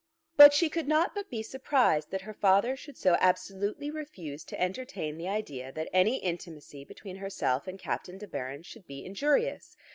But she could not but be surprised that her father should so absolutely refuse to entertain the idea that any intimacy between herself and Captain De Baron should be injurious.